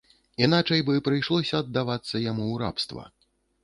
Іначай бы прыйшлося аддавацца яму ў рабства.